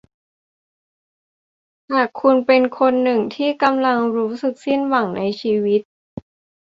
หากคุณเป็นคนหนึ่งที่กำลังรู้สึกสิ้นหวังในชีวิต